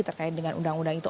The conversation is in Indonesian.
terkait dengan undang undang itu